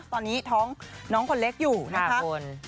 ตอนนี้ท้องน้องคนเล็กอยู่นะคะ